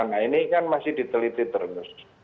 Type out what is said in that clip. nah ini kan masih diteliti terus